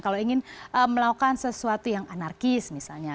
kalau ingin melakukan sesuatu yang anarkis misalnya